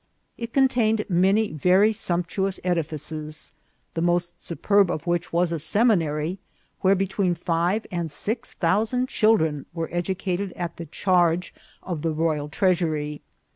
It contained many very sumptuous edifices, the most superb of which was a seminary, where 'between five and six thousand children were educated at the charge of the royal treasury.